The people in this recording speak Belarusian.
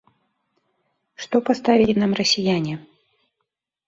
Што паставілі нам расіяне?